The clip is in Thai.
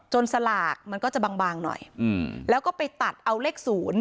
สลากมันก็จะบางหน่อยแล้วก็ไปตัดเอาเลขศูนย์